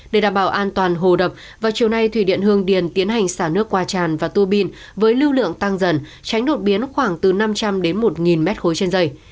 để đảm bảo an toàn hồ đập vào chiều nay thủy điện hương điền tiến hành xả nước qua tràn và tua bin với lưu lượng tăng dần tránh đột biến khoảng từ năm trăm linh đến một mét khối trên dây